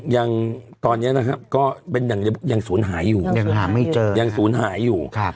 ยังตอนนี้นะครับก็ยังศูนย์หายอยู่